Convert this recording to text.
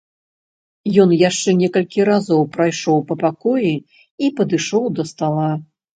Ён яшчэ некалькі разоў прайшоўся па пакоі і падышоў да стала.